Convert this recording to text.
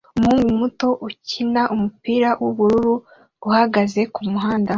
umuhungu muto ukina numupira wubururu uhagaze kumuhanda